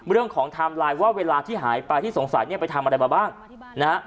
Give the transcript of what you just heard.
ไทม์ไลน์ว่าเวลาที่หายไปที่สงสัยเนี่ยไปทำอะไรมาบ้างนะฮะ